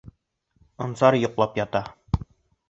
Ансар йоҡлап ята.